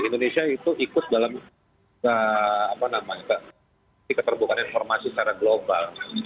indonesia itu ikut dalam keterbukaan informasi secara global